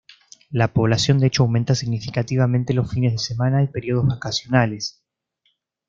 La población de hecho aumenta significativamente los fines de semana y periodos vacacionales.